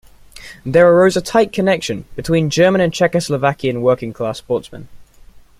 There arose a tight connection between German and Czechoslovakian working-class sportsmen.